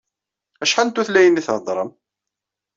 Acḥal n tutlayin i theddṛem?